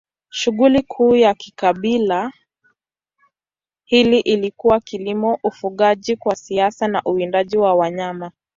Shughuli kuu ya kabila hili ilikuwa kilimo, ufugaji kwa kiasi na uwindaji wa wanyama.